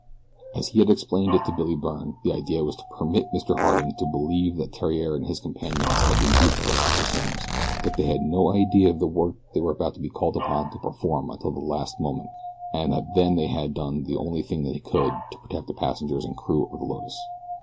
As he had explained it to Billy Byrne the idea was to permit Mr. Harding to believe that Theriere and his companions had been duped by Skipper Simms that they had had no idea of the work that they were to be called upon to perform until the last moment and that then they had done the only thing they could to protect the passengers and crew of the Lotus.